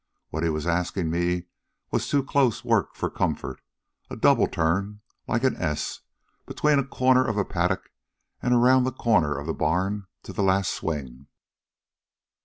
What he was askin' was too close work for comfort a double turn, like an S, between a corner of a paddock an' around the corner of the barn to the last swing.